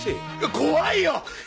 怖いよ！